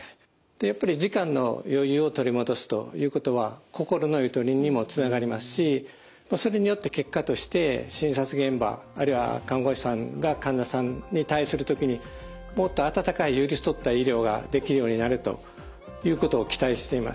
やっぱり時間の余裕を取り戻すということは心のゆとりにもつながりますしそれによって結果として診察現場あるいは看護師さんが患者さんに対する時にもっと温かい寄り添った医療ができるようになるということを期待しています。